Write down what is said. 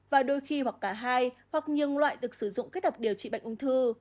và đôi khi hoặc cả hai hoặc nhiều loại được sử dụng kết hợp điều trị bệnh ung thư